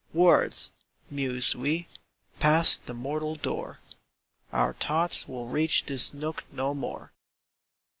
... "Words!" mused we. "Passed the mortal door, Our thoughts will reach this nook no more."